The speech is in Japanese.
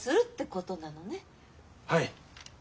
はい。